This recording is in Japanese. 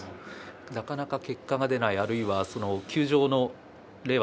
なかなか結果が出ないあるいは休場令和